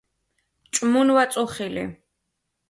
ჭმუნვა-წუხილი